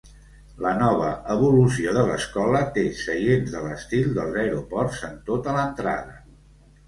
La nova evolució de l'escola té seients de l'estil dels aeroports en tota l'entrada.